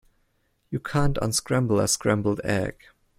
You can't unscramble a scrambled egg.